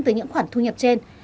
từ những khoản thu nhập trên